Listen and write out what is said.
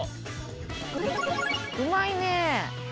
うまいね。